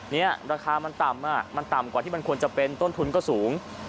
นี่ราคามันต่ำมันต่ำกว่าที่มันควรจะเป็นต้นทุนก็สูง